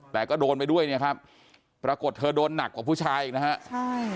แต่ก็โดนไปด้วยเนี่ยครับปรากฏเธอโดนหนักกว่าผู้ชายอีกนะฮะใช่